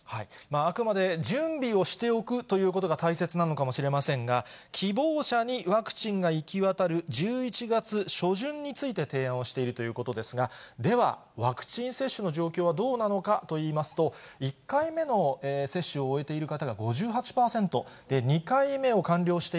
あくまで準備をしておくということが大切なのかもしれませんが、希望者にワクチンが行き渡る１１月初旬について提案をしているということですが、では、ワクチン接種の状況はどうなのかといいますと、１回目の接種を終えている方が５８％、２回目を完了してい